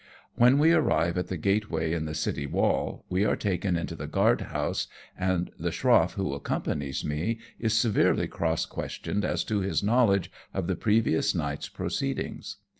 When we arrive at the gateway in the city wall, we are taken into the guard house, and WE SAIL FROM SHANGHAI. 103 the schroff wlio accompanies me is severely cross questioned as to his knowledge of the previous night's proceedings.